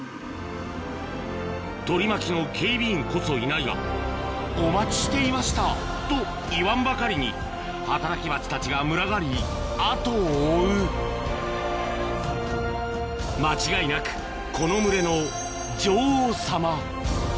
取り巻きの警備員こそいないが「お待ちしていました」と言わんばかりに働きバチたちが群がり後を追う間違いなくこの群れの女王様